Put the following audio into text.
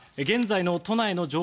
現在の都内の